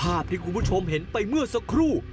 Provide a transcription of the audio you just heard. ภาพที่คุณผู้ชมเห็นไปเมื่อสักครู่